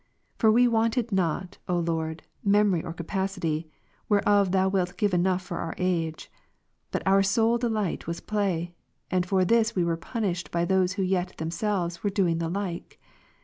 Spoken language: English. For we wanted not, O Lord, memory or ■ capacity, whereof Thy will gave enough for our age ; but our sole delight was play; and for this we were punished by those Avho yet themselves were doing the like.